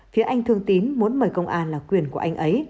phía anh thương tín muốn mời công an là quyền của anh ấy